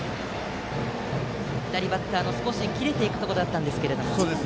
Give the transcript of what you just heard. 左バッターの少し切れていくところだったんですが。